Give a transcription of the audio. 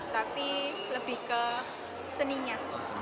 tapi lebih ke seninya